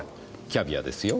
キャビアですよ。